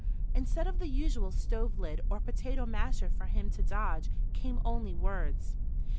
Instead of the usual stove lid or potato masher for him to dodge, came only words.